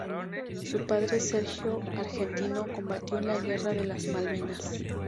Su padre, Sergio, argentino, combatió en la Guerra de las Malvinas.